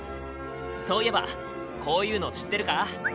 そういえばこういうの知ってるか？